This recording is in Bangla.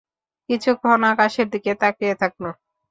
কিচ্ছুক্ষণ আকাশের দিকে তাকিয়ে থাকল।